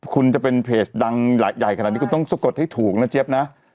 คุณจะเป็นเพจดังใหญ่ขนาดนี้คุณต้องสะกดให้ถูกนะเจี๊ยบนะ